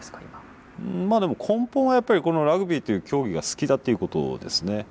まあでも根本はやっぱりこのラグビーという競技が好きだということですね。